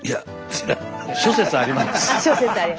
あ諸説あります。